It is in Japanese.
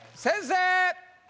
先生！